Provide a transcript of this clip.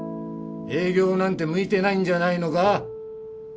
営業なんて向いてないんじゃないのか？